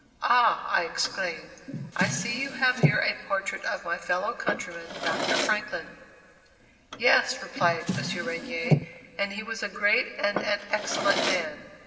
"Ah!" I exclaimed, "I see you have here a portrait of my fellow countryman, Dr. Franklin." "Yes," replied M. Regnier, "and he was a great and an excellent man.